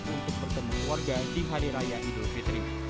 untuk bertemu keluarga di hari raya idul fitri